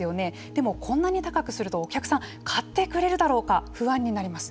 でもこんなに高くするとお客さんは買ってくれるだろうか不安になります。